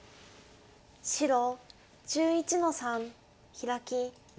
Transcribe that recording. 白１１の三ヒラキ。